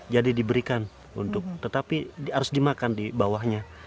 jadi diberikan untuk tetapi harus dimakan di bawahnya